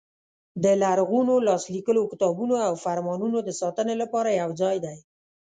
د لرغونو لاس لیکلو کتابونو او فرمانونو د ساتنې لپاره یو ځای دی.